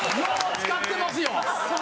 使ってますよ。